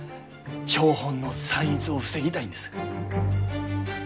標本の散逸を防ぎたいんです。